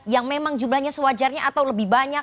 yang memang jumlahnya sewajarnya atau lebih banyak